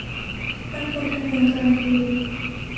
บางคนทำงานกลางคืน